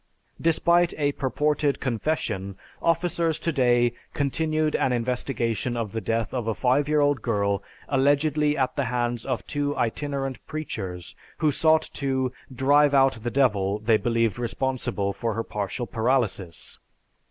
Despite a purported confession, officers to day continued an investigation of the death of a five year old girl, allegedly at the hands of two itinerant preachers who sought to 'drive out the devil' they believed responsible for her partial paralysis.